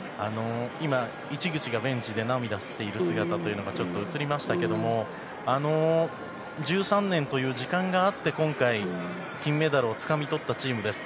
今、市口がベンチで涙している姿がちょっと映りましたが１３年という時間があって今回、金メダルをつかみ取ったチームです。